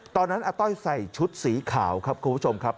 อาต้อยใส่ชุดสีขาวครับคุณผู้ชมครับ